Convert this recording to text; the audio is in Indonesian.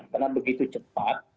karena begitu cepat